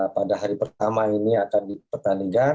pada hari pertama ini akan dipertandingkan